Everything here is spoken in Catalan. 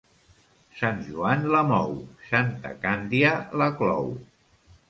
Sant Joan la mou, santa Càndia la clou.